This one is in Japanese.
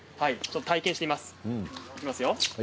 体験してみます。